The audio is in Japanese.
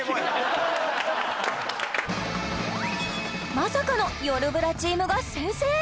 まさかのよるブラチームが先制